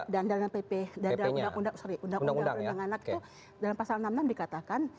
dan dalam undang undang anak itu dalam pasal enam puluh enam dikatakan